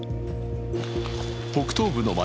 北東部の街